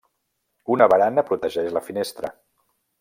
Una barana protegeix la finestra.